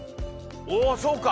おおそうか。